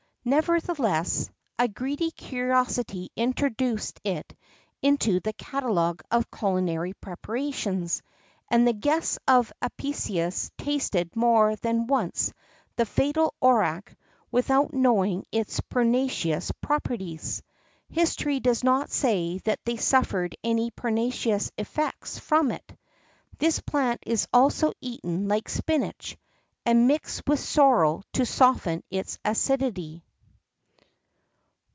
[X 8] Nevertheless, a greedy curiosity introduced it into the catalogue of culinary preparations, and the guests of Apicius tasted more than once the fatal orach without knowing its pernicious properties. History does not say that they suffered any pernicious effects from it. This plant is also eaten like spinach, and mixed with sorrel to soften its acidity.